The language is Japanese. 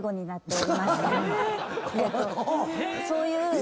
そういう。